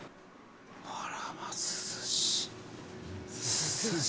あらま、涼しい。